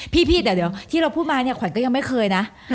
พี่เดี๋ยวที่เราพูดมาเนี่ยขวัญก็ยังไม่เคยนะ